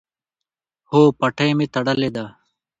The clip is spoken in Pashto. هو، پټۍ می تړلې ده